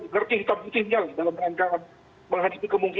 gerti hitam hitiinnya dalam rangka